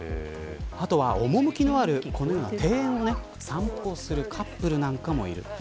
あとは、おもむきのある庭園を散歩するカップルなんかもいる。